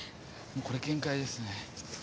これ限界ですね